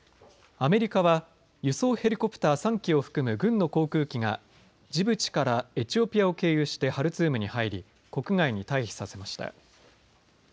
アメリカは輸送ヘリコプター３機を含む軍の航空機がジブチからエチオピアを経由してハルツームに入り国外に退避させました。